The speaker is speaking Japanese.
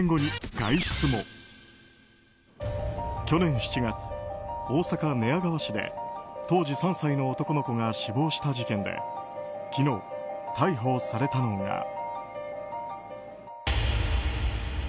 去年７月、大阪・寝屋川市で当時３歳の男の子が死亡した事件で昨日、逮捕されたのが。